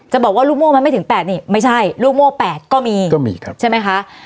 จะบอกว่าลูกโม่มันไม่ถึง๘ไม่ใช่ลูกโม่๘ก็มีใช่ไหมคะ